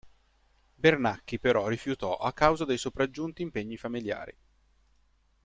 Bernacchi però rifiutò a causa dei sopraggiunti impegni familiari.